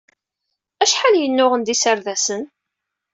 Acḥal yennuɣen d iserdasen?